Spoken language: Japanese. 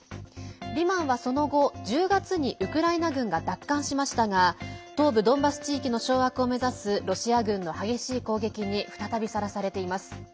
リマンは、その後１０月にウクライナ軍が奪還しましたが東部ドンバス地域の掌握を目指すロシア軍の激しい攻撃に再びさらされています。